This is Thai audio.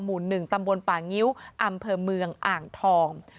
หมู่๑ตำบลป่างิ้วอำเภอเมืองอ่างทอง